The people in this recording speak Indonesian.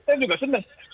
saya juga senang